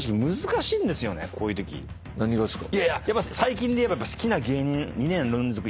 何がですか？